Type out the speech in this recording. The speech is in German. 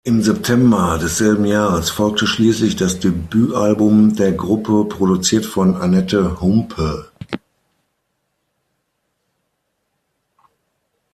Im September desselben Jahres folgte schließlich das Debütalbum der Gruppe, produziert von Annette Humpe.